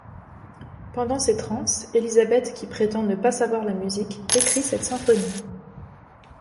Pendant ses transes, Elisabeth, qui prétend ne pas savoir la musique, écrit cette symphonie.